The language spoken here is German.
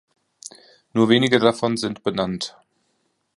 Nur wenige davon sind benannt.